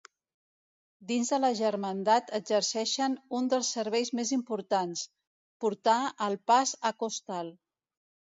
Dins de la germandat exerceixen un dels serveis més importants: portar el pas a costal.